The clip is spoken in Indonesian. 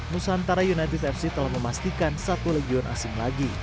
nusantara united fc telah memastikan satu legion asing lagi